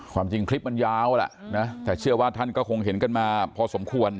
ความจริงคลิปมันยาวแหละนะแต่เชื่อว่าท่านก็คงเห็นกันมาพอสมควร